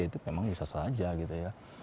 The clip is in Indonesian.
itu memang bisa saja gitu ya